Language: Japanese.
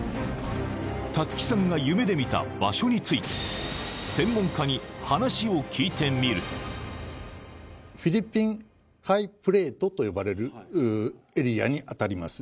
たつきさんが夢で見た場所について専門家に話を聞いてみるとフィリピン海プレートと呼ばれるエリアに当たります